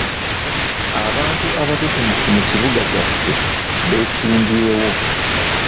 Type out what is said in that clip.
Abantu abatutumufu mu kibuga kyaffe beesimbyewo.